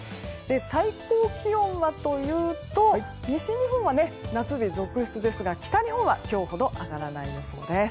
最高気温はというと西日本は夏日続出ですが北日本は今日ほど上がらない予想です。